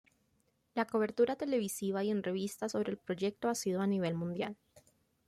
La cobertura televisiva y en revistas sobre el proyecto ha sido a nivel mundial.